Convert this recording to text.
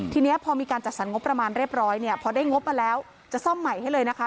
ทีนี้พอมีการจัดสรรงบประมาณเรียบร้อยเนี่ยพอได้งบมาแล้วจะซ่อมใหม่ให้เลยนะคะ